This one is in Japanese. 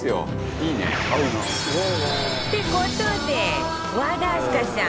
いいね。って事で、和田明日香さん